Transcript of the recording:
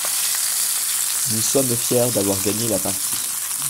Nous sommes fiers d'avoir gagné la partie.